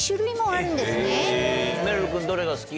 めるる君どれが好き？